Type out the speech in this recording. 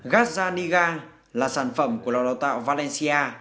gazzaniga là sản phẩm của lò đào tạo valencia